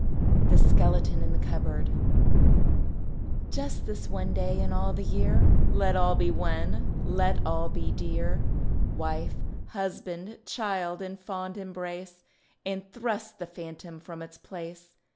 THE SKELETON IN THE CUPBOARD Just this one day in all the year Let all be one, let all be dear; Wife, husband, child in fond embrace, And thrust the phantom from its place.